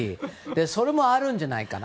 それもあるんじゃないかと。